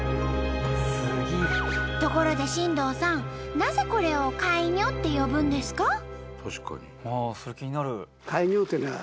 ところで新藤さんなぜこれを「カイニョ」って呼ぶんですか？